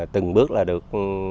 từng bước được